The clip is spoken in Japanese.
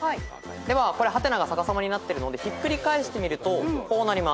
ではハテナが逆さまになってるので引っ繰り返してみるとこうなります。